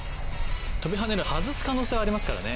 とびはねる外す可能性ありますからね。